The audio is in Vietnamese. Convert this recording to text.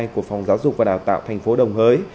của phòng giáo dục và đào tạo thành phố đồng hới